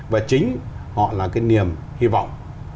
và chính họ là cái niềm hy vọng